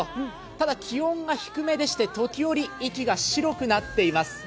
ただ気温が低めでして時折息が白くなっています。